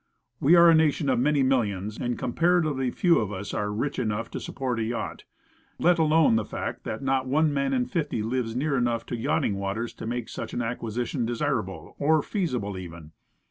We are a nation of 50,000,000, and comparatively few of us are rich enough to sup port a yacht, let alone the fact that not one man in fifty lives near enough to yachting waters to make such an acquisition desirable or feasible, even.